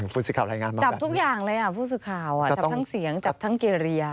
ผู้สิกราบรายงานบ้างแบบนี้จับทุกอย่างเลยผู้สิกราบจับทั้งเสียงจับทั้งเกลียร์